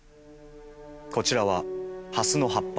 こちらはハスの葉っぱ。